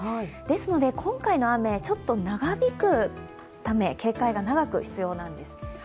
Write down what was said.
ですので、今回の雨、ちょっと長引くため、警戒が長く必要なんです。